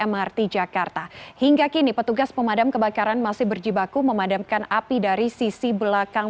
mrt jakarta hingga kini petugas pemadam kebakaran masih berjibaku memadamkan api dari sisi belakang